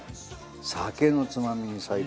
酒のつまみに最高。